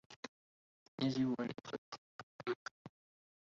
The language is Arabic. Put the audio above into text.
يجب ان أفكر بالأمر